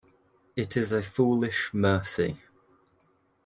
It is a foolish mercy.